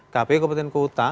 kpu kabupaten kota